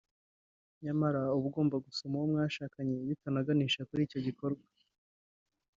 nyarama uba ugomba gusoma uwo mwashakanye bitanaganisha kuri icyo gikorwa